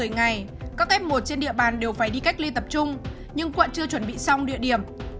một mươi ngày các f một trên địa bàn đều phải đi cách ly tập trung nhưng quận chưa chuẩn bị xong địa điểm